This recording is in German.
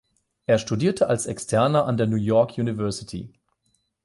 Er studierte als Externer an der New York University.